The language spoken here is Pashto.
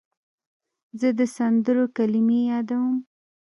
زه د سندرو کلمې یادوم.